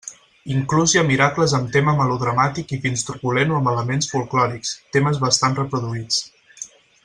Inclús hi ha miracles amb tema melodramàtic i fins truculent o amb elements folklòrics, temes bastant reproduïts.